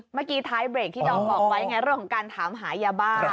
เมื่อกี้ท้ายเบรกที่ดอมบอกไว้ไงเรื่องของการถามหายาบ้า